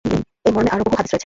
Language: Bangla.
এ মর্মে আরো বহু হাদীস রয়েছে।